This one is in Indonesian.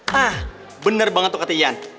hah bener banget tuh kata ian